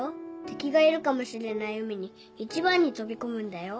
敵がいるかもしれない海に一番に飛び込むんだよ。